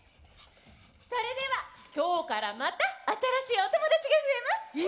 それでは今日からまた新しいお友達が増えます。え！